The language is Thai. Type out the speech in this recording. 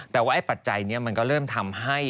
แต่ว่าไอ้ปัจจัยนี้มันก็เริ่มทำให้